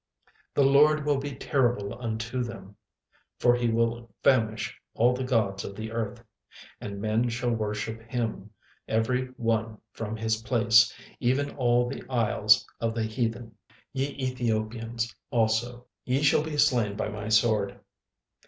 36:002:011 The LORD will be terrible unto them: for he will famish all the gods of the earth; and men shall worship him, every one from his place, even all the isles of the heathen. 36:002:012 Ye Ethiopians also, ye shall be slain by my sword.